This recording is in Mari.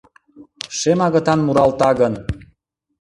Шем агытан муралта гын